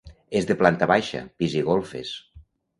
És de planta baixa, pis i golfes.